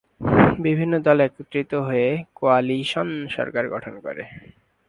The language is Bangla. বিভিন্ন দল একত্রিত হয়ে কোয়ালিশন সরকার গঠন করে।